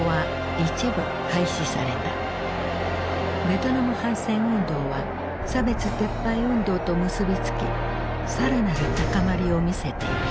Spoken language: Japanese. ベトナム反戦運動は差別撤廃運動と結び付き更なる高まりを見せていく。